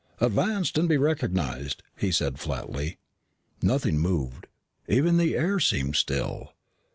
"Advance and be recognized," he said flatly. Nothing moved. Even the air seemed still.